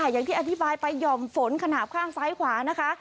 อย่างที่อธิบายไปหย่อมฝนขนาดข้างซ้ายขวานะคะ